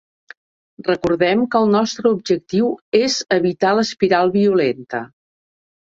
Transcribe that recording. Recordem que el nostre objectiu és evitar l’espiral violenta.